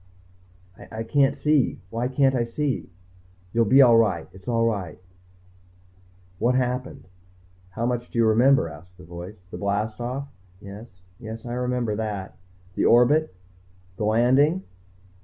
"I can't see. Why can't I see?" "You'll be all right. It's all right." "What happened?" "How much do you remember?" asked the voice. "The blast off?" "Yes yes, I remember that." "The orbit? The landing?"